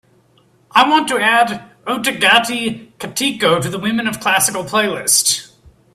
I want to add Ottagathai Kattiko to the women of classical playlist.